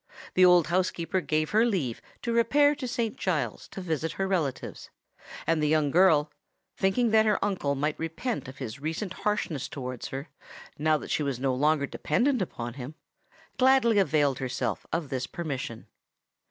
The old housekeeper gave her leave to repair to Saint Giles's to visit her relatives; and the young girl, thinking that her uncle might repent of his recent harshness towards her, now that she was no longer dependant upon him, gladly availed herself of this permission.